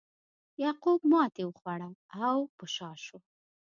یعقوب ماتې وخوړه او په شا شو.